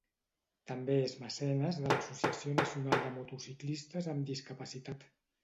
També és mecenes de l'Associació nacional de motociclistes amb discapacitat.